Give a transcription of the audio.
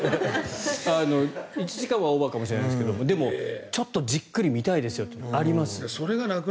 １時間はオーバーかもしれないけどちょっとじっくり見たいですよっていうのはあるかもしれない。